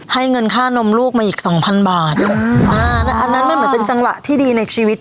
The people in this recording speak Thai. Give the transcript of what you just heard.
ให้เงินค่านมลูกมาอีกสองพันบาทอ่าอันนั้นมันเหมือนเป็นจังหวะที่ดีในชีวิต